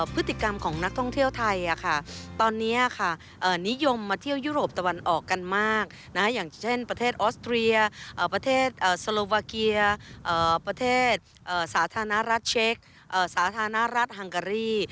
พฤติกรรมของนักท่องเที่ยวไทยตอนนี้นิยมมาเที่ยวยุโรปตะวันออกกันมากอย่างเช่นประเทศออสเตรียประเทศสโลวาเกียประเทศสาธารณรัฐเช็คสาธารณรัฐฮังการี